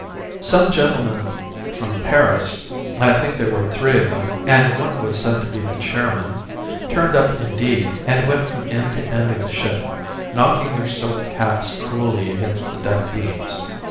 Some gentlemen from Paris I think there were three of them, and one was said to be the Chairman turned up indeed and went from end to end of the ship, knocking their silk hats cruelly against the deck beams.